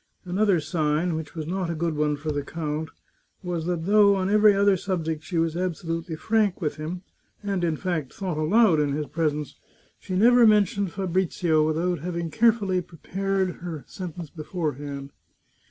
Another sign, which was not a good one for the count, was that though on every other subject she was absolutely frank with him, and, in fact, thought aloud in his presence, she never mentioned Fabrizio without having carefully prepared her sentence beforehand.